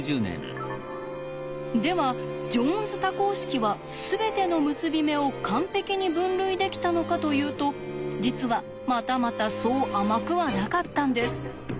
ではジョーンズ多項式は全ての結び目を完璧に分類できたのかというと実はまたまたそう甘くはなかったんです。